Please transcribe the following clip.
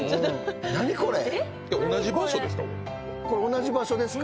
同じ場所ですか？